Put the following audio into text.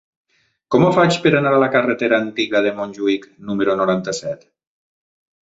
Com ho faig per anar a la carretera Antiga de Montjuïc número noranta-set?